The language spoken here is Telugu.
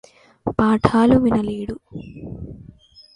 పాఠాలు వినలేడు